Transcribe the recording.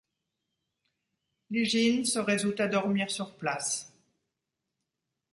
Lyjine se résout à dormir sur place.